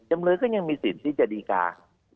จำเลยก็ยังมีสิทธิ์ที่จะดีการ์